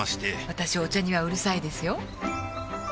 私お茶にはうるさいですよ